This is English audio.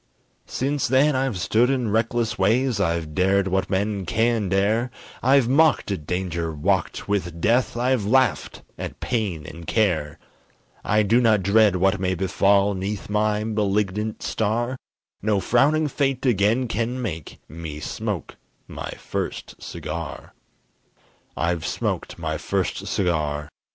Since then I've stood in reckless ways, I've dared what men can dare, I've mocked at danger, walked with death, I've laughed at pain and care. I do not dread what may befall 'Neath my malignant star, No frowning fate again can make Me smoke my first cigar. I've smoked my first cigar!